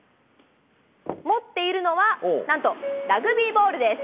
持っているのは、なんとラグビーボールです。